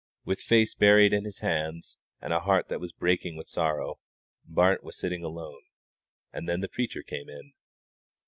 With face buried in his hands, and a heart that was breaking with sorrow, Bart was sitting alone; and then the preacher came in.